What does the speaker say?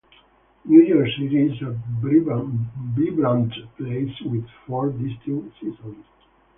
New York City is a vibrant place with four distinct seasons.